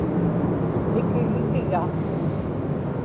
mikigigiga